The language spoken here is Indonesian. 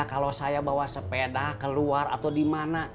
kalau saya bawa sepeda keluar atau dimana